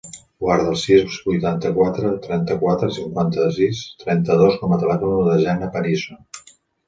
Guarda el sis, vuitanta-quatre, trenta-quatre, cinquanta-sis, trenta-dos com a telèfon de la Jana Panizo.